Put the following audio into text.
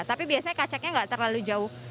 tapi biasanya kacaknya nggak terlalu jauh